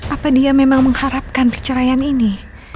apa dia memang mengharapkan perceraian ini